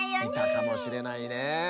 いたかもしれないね。